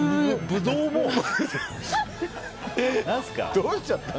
どうしちゃったの。